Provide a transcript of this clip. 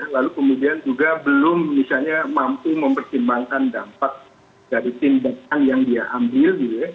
lalu kemudian juga belum mampu mempertimbangkan dampak dari tindakan yang dia ambil